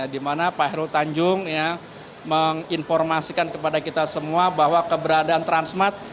di mana pak heru tanjung menginformasikan kepada kita semua bahwa keberadaan transmart